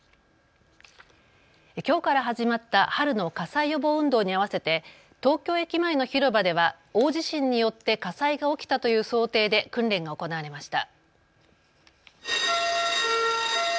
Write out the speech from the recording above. きょうから始まった春の火災予防運動に合わせて東京駅前の広場では大地震によって火災が起きたという想定で訓練が行われました。